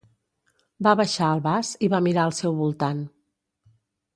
Va baixar el vas i va mirar al seu voltant.